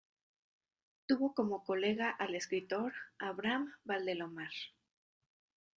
Tuvo como colega al escritor Abraham Valdelomar.